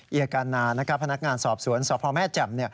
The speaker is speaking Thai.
ียการนาพนักงานสอบสวนสพแม่แจ่ม